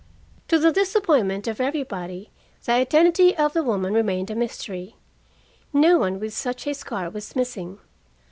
To the disappointment of everybody, the identity of the woman remained a mystery. No one with such a scar was missing.